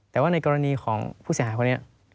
แต่ว่าในกรณีของผู้เสียหายคนนี้